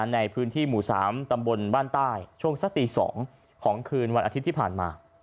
ในพื้นที่หมู่๓ตำบลบ้านใต้ช่วงสักตี๒ของคืนวันอาทิตย์ที่ผ่านมา